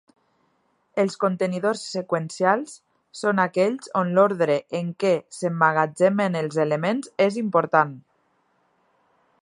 Els contenidors seqüencials són aquells on l'ordre en què s'emmagatzemen els elements és important.